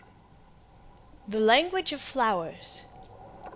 THE LANGUAGE OF FLOWERS.